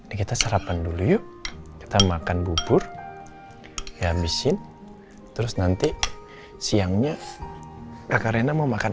ayo kita sarapan dulu yuk kita makan bubur habisin terus nanti siangnya kakarena mau makan